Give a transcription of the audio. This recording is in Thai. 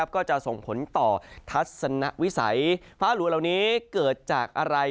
ก็จะส่งผลต่อทัศนวิสัยฟ้าหลัวเหล่านี้เกิดจากอะไร